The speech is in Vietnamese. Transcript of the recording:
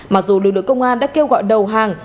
mặc dù lực lượng công an đã kêu gọi đầu hàng